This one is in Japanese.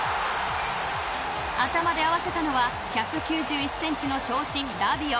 頭で合わせたのは１９１センチの長身ラビオ。